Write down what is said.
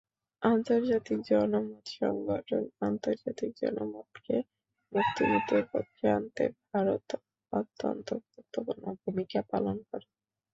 আন্তর্জাতিক জনমত সংগঠনআন্তর্জাতিক জনমতকে মুক্তিযুদ্ধের পক্ষে আনতে ভারত অত্যন্ত গুরুত্বপূর্ণ ভূমিকা পালন করে।